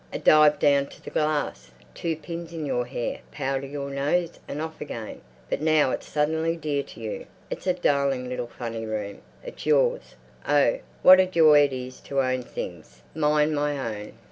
A dive down to the glass, two pins in your hair, powder your nose and off again. But now—it's suddenly dear to you. It's a darling little funny room. It's yours. Oh, what a joy it is to own things! Mine—my own!